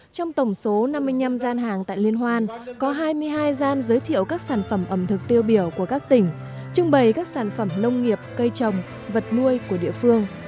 trong tổng số năm mươi năm gian hàng tại liên hoan có hai mươi hai gian giới thiệu các sản phẩm ẩm thực tiêu biểu của các tỉnh trưng bày các sản phẩm nông nghiệp cây trồng vật nuôi của địa phương